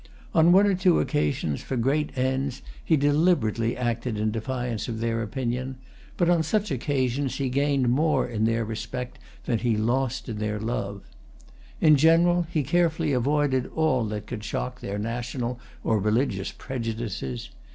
On one or two occasions, for great ends, he deliberately acted in defiance of their opinion; but on such occasions he gained more in their respect than he lost in their love. In general,[Pg 201] he carefully avoided all that could shock their national or religious prejudices.